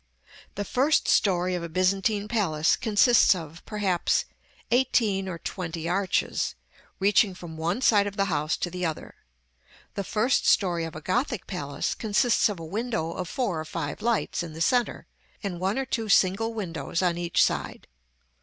The first story of a Byzantine palace consists of, perhaps, eighteen or twenty arches, reaching from one side of the house to the other; the first story of a Gothic palace consists of a window of four or five lights in the centre, and one or two single windows on each side.